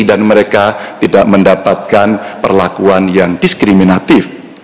dan mereka tidak mendapatkan perlakuan yang diskriminatif